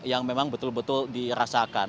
yang memang betul betul dirasakan